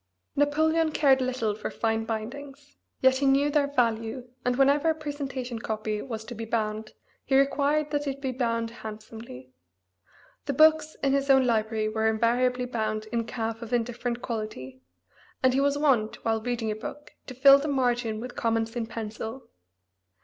Napoleon cared little for fine bindings, yet he knew their value, and whenever a presentation copy was to be bound he required that it be bound handsomely. The books in his own library were invariably bound "in calf of indifferent quality," and he was wont, while reading a book, to fill the margin with comments in pencil.